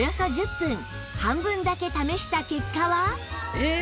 えっ！